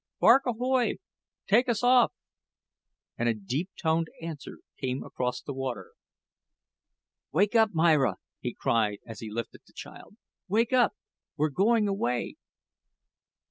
Bark ahoy! Take us off," and a deep toned answer came across the water. "Wake up, Myra," he cried, as he lifted the child; "wake up. We're going away."